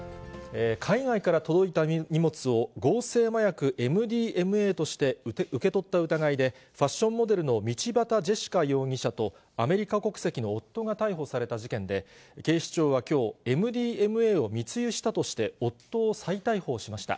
海外から届いた荷物を合成麻薬ＭＤＭＡとして受け取った疑いで、ファッションモデルの道端ジェシカ容疑者と、アメリカ国籍の夫が逮捕された事件で、警視庁はきょう、ＭＤＭＡを密輸したとして、夫を再逮捕しました。